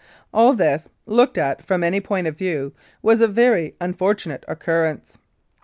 All this, looked at from any point of view, was a very unfortunate occurrence.